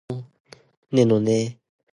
你鐘意食煎腸粉定蒸腸粉